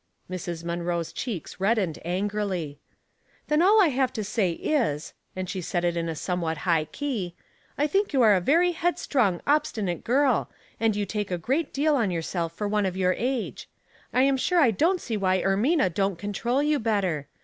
Mrs. Munroe's cheeks reddened angrily. "Then all I have to say is," and she said it in a somewhat high key, *' I think you are a very headstrong, obstinate girl, and you take a great 220 Household Puzzles, deal on yourself for one of your age. I am sure I don't see why Ermina don't control you bettei.